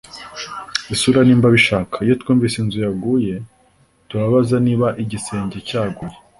isura niba abishaka. iyo twunvise inzu yaguye turabaza niba igisenge cyaguye